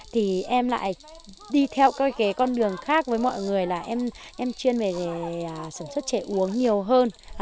thì em lại đi theo các con đường khác với mọi người là em chuyên về sản xuất trẻ uống nhiều hơn